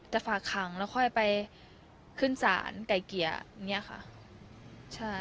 ฝากขังแล้วค่อยไปขึ้นศาลไก่เกลี่ยอย่างนี้ค่ะใช่